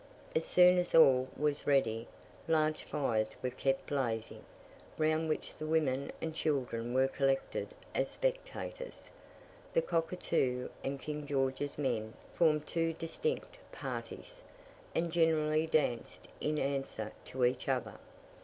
As soon as all was ready, large fires were kept blazing, round which the women and children were collected as spectators; the Cockatoo and King George's men formed two distinct parties, and generally danced in answer to each other.